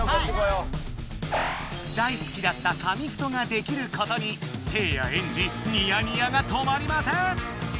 大好きだった紙フトができることにせいやエンジニヤニヤが止まりません！